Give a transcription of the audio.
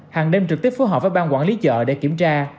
hàng đêm trực tiếp phối hợp với ban quản lý chợ để kiểm tra